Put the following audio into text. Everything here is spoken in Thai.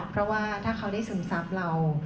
เพราะว่าถ้าเขาได้ซึมซับเรา